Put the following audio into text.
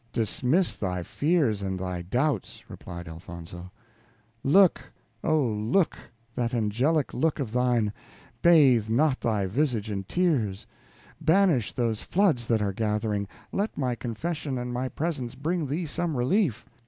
"Dismiss thy fears and thy doubts," replied Elfonzo. "Look, O! look: that angelic look of thine bathe not thy visage in tears; banish those floods that are gathering; let my confession and my presence bring thee some relief."